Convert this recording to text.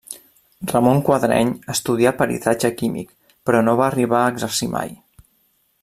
Ramon Quadreny estudià Peritatge Químic, però no va arribar a exercir mai.